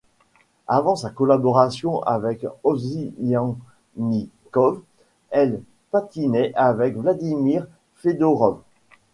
Avant sa collaboration avec Ovsyannikov, elle patinait avec Vladimir Fedorov.